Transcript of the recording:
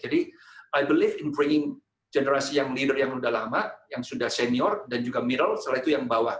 jadi i believe in bringing generasi yang leader yang udah lama yang sudah senior dan juga middle setelah itu yang bawah